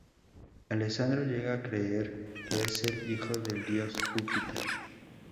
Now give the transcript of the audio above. Alessandro llega a creer que es el hijo del dios Júpiter.